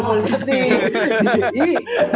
gue mau liat nih di ti